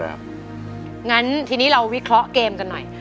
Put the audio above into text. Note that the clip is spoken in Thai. งั้นทีนี้เราวิเคราะห์เกมกันหน่อย